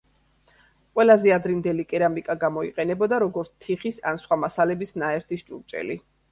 ყველაზე ადრინდელი კერამიკა გამოიყენებოდა, როგორც თიხის ან სხვა მასალების ნაერთის ჭურჭელი.